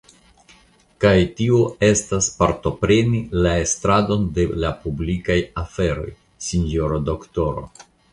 Kaj tio estas partopreni la estradon de la publikaj aferoj, sinjoro doktoro.